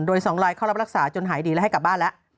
โดย๒ลายเข้ารับรักษาจนหายดีและให้กลับบ้านแล้ว